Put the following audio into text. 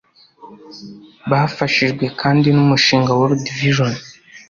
Bafashijwe kandi n’umushinga World Vision